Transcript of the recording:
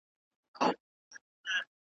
ځکه چي موږ امام بدلوو مګر ایمان نه بدلوو .